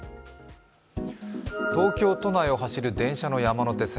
東京都内を走る電車の山手線。